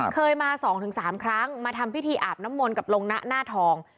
เคยมา๒๓ครั้งมาทำพิธีอาบน้ำมนต์กับลงนะหน้าทอง